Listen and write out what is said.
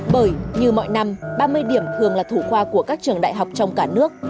bởi như mọi năm ba mươi điểm thường là thủ khoa của các trường đại học trong cả nước